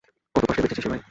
কত কষ্টে বাঁচিয়েছি সেবায়।